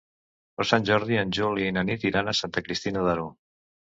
Per Sant Jordi en Juli i na Nit iran a Santa Cristina d'Aro.